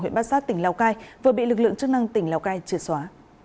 huyện bát sát tỉnh lào cai vừa bị lực lượng chức năng tỉnh lào cai trượt xóa